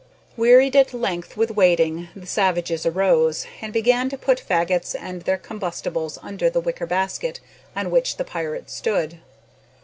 Wearied at length with waiting, the savages arose, and began to put fagots and other combustibles under the wicker basket on which the pirate stood.